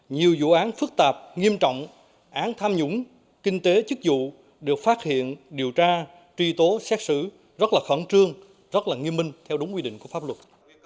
nhiều vụ án phức tạp nghiêm trọng án tham nhũng kinh tế chức vụ được phát hiện điều tra truy tố xét xử rất là khẩn trương rất là nghiêm minh theo đúng quy định của pháp luật